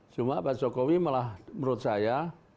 cuma pak jokowi malah menurut saya